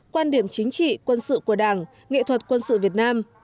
quan điểm chính trị quân sự của đảng nghệ thuật quân sự việt nam